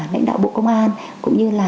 lãnh đạo bộ công an cũng như là